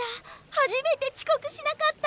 初めてちこくしなかった。